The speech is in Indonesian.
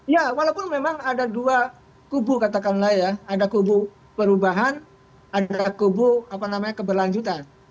ya walaupun memang ada dua kubu katakanlah ya ada kubu perubahan ada kubu apa namanya keberlanjutan